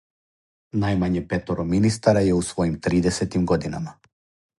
Најмање петоро министара је у својим тридесетим годинама.